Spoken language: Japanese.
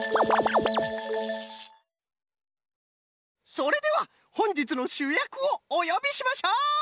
それではほんじつのしゅやくをおよびしましょう！